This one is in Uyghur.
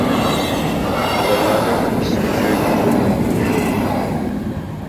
قازانلارنىڭ ئىككىسى تۆشۈك، بىرىنىڭ تۈۋى يوق.